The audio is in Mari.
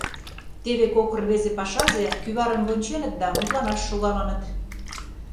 Теве кок рвезе пашазе кӱварым вонченыт да мутланаш шогалыныт.